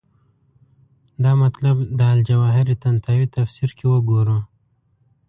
دا مطلب د الجواهر طنطاوي تفسیر کې وګورو.